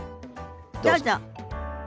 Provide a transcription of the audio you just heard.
どうぞ。